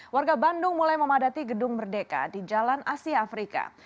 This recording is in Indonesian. warga bandung mulai memadati gedung merdeka di jalan asia afrika